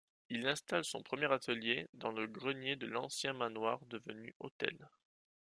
Il installe son premier atelier dans le grenier de l'ancien manoir devenu hôtel.